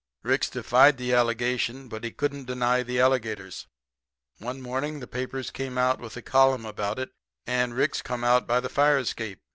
Ricks defied the allegation, but he couldn't deny the alligators. One morning the papers came out with a column about it, and Ricks come out by the fire escape.